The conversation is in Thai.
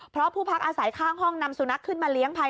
เพราะผู้พักอาศัยข้างห้องนำสุนัขขึ้นมาเลี้ยงภัย